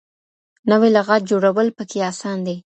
نوې لغات جوړول پکې اسان دي.